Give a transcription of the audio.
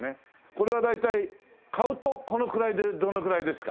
これは大体買うとこのくらいでどのぐらいですか？